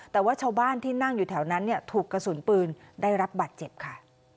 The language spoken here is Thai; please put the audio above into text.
แต่ว่าชาวบ้านที่นั่งอยู่แถวนั้นถูกกระสุนปืนได้รับบาดเจ็บค่ะ